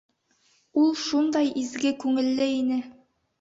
Ул шундай изге күңелле ине.